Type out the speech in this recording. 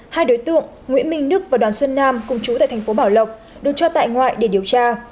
hai đối tượng nguyễn minh đức và đoàn xuân nam cùng chú tại thành phố bảo lộc được cho tại ngoại để điều tra